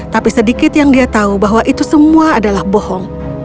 tapi sedikit yang dia tahu bahwa itu semua adalah bohong